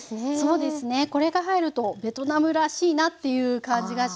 そうですねこれが入るとベトナムらしいなっていう感じがします。